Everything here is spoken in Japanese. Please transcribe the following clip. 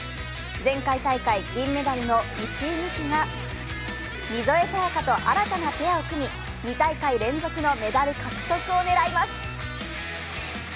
前回大会銀メダルの石井美樹が溝江明香と新たなペアを組み、２大会連続のメダル獲得を狙います。